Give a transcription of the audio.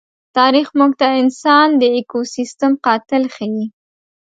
تاریخ موږ ته انسان د ایکوسېسټم قاتل ښيي.